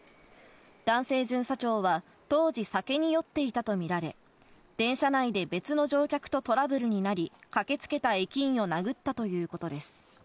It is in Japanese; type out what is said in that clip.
男性巡査長は当時、酒に酔っていたとみられ、電車内で別の乗客とトラブルになり、駆け付けた駅員を殴ったということです。